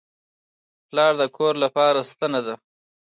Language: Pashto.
پلار د کور لپاره ستنه ده.